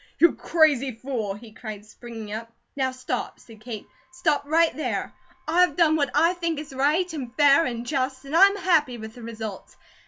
"You crazy fool!" he cried, springing up. "Now stop," said Kate. "Stop right there! I've done what I think is right, and fair, and just, and I'm happy with the results.